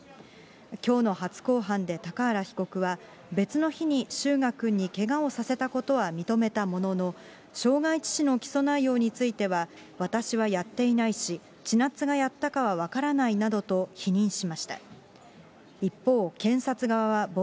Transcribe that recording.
きょうの初公判で高原被告は、別の日に翔雅くんのけがをさせたことは認めたものの、傷害致死の起訴内容については、私はやっていないし、千夏がやったかは分からないなどと否認しました。